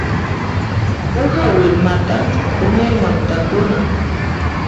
Uha willmata q'umirwan takuna.